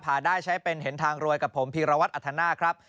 ได้ใช้เป็นเห็นทางรวยกับผมพีรวัตรอัธนาคครับ